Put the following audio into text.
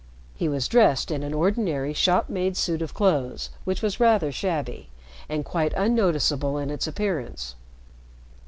He was dressed in an ordinary shop made suit of clothes which was rather shabby and quite unnoticeable in its appearance.